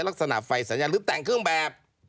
ลักษณะไฟสัญญาณหรือแต่งเครื่องแบบ